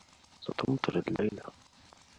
.ستمطر الليلة